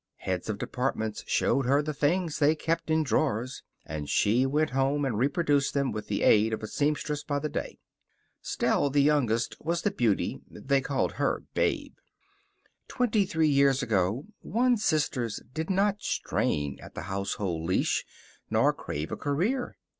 Heads of departments showed her the things they kept in drawers, and she went home and reproduced them with the aid of a seamstress by the day. Stell, the youngest, was the beauty. They called her Babe. Twenty three years ago one's sisters did not strain at the household leash, nor crave a career.